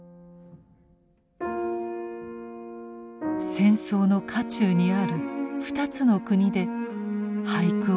戦争の渦中にある２つの国で俳句を集めました。